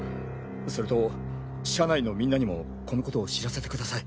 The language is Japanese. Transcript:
それと社内のみんなにもこの事を知らせて下さい。